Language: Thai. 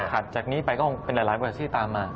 ถัดจากนี้ไปก็คงเป็นหลายประเทศที่ตามมา